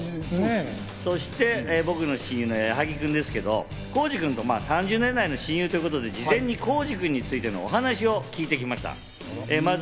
僕の親友の矢作君ですけど、浩次君とも２０年来の親友ということで、事前に浩次君についてのお話も聞いてきました。